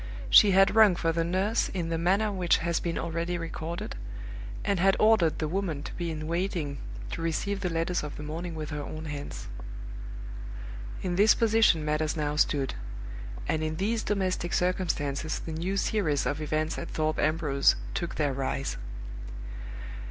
She had rung for the nurse in the manner which has been already recorded, and had ordered the woman to be in waiting to receive the letters of the morning with her own hands. In this position matters now stood; and in these domestic circumstances the new series of events at Thorpe Ambrose took their rise.